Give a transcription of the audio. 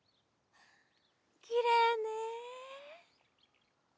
きれいねえ。